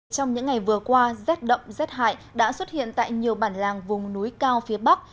trong những ngày vừa qua rét đậm rét hại đã xuất hiện tại nhiều bản làng vùng núi cao phía bắc